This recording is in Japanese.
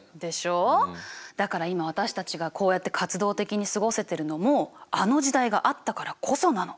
だから今私たちがこうやって活動的に過ごせてるのもあの時代があったからこそなの。